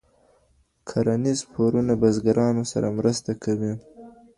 کرنیز پورونه بزګرانو سره مرسته کوي.